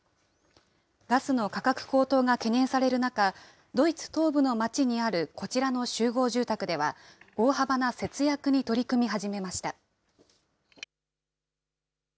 ガスの価格高騰が懸念される中、ドイツ東部の町にあるこちらの集合住宅では、大幅な節約に取り組み始めました。